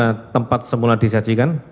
dari tempat semula disajikan